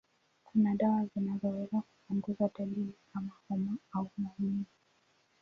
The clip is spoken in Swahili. Kuna dawa zinazoweza kupunguza dalili kama homa au maumivu.